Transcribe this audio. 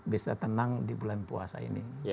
bisa tenang di bulan puasa ini